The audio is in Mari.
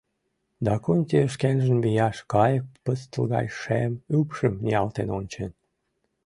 Дакунти шкенжын вияш, кайык пыстыл гай шем ӱпшым ниялтен ончен.